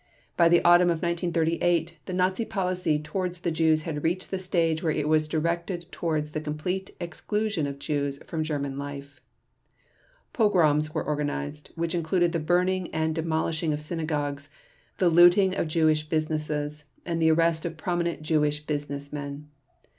By the autumn of 1938, the Nazi policy towards the Jews had reached the stage where it was directed towards the complete exclusion of Jews from German life. Pogroms were organized, which included the burning and demolishing of synagogues, the looting of Jewish businesses, and the arrest of prominent Jewish business men.